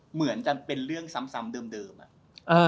เหมือนจะเป็นเรื่องซ้ำเดิมอะ